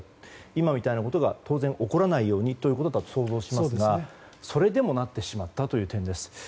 今みたいなことが当然、起こらないようにと想像しますがそれでもなってしまったという点です。